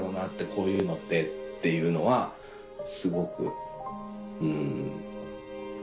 こういうのって」っていうのはすごくうん。